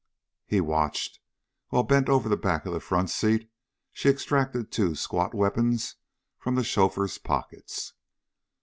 He watched, while, bent over the back of the front seat, she extracted two squat weapons from the chauffeur's pockets.